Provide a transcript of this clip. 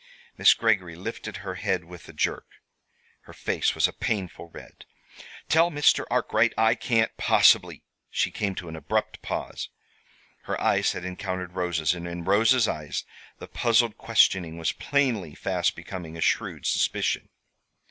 Miss Greggory lifted her head with a jerk. Her face was a painful red. "Tell Mr. Arkwright I can't possibly " She came to an abrupt pause. Her eyes had encountered Rosa's, and in Rosa's eyes the puzzled questioning was plainly fast becoming a shrewd suspicion.